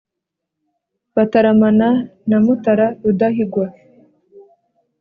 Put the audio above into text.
bataramana na mutara rudahigwa